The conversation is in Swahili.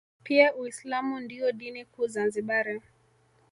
Pia uislamu ndio dini kuu Zanzibari